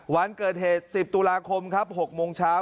วันเกิดเหตุ๑๐ตุลาคมครับ๖โมงเช้า